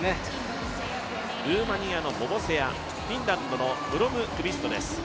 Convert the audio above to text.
ルーマニアのボボセアフィンランドのブロムクビストです。